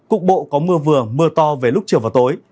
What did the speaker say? cục bộ có mưa vừa mưa to về lúc chiều và tối